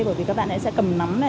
bởi vì các bạn ấy sẽ cầm nắm